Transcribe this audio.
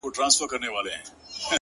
• په یوه گوزار یې خوله کړله ورماته ,